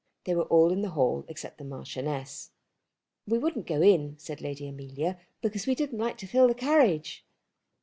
They were all in the hall, all except the Marchioness. "We wouldn't go in," said Lady Amelia, "because we didn't like to fill the carriage."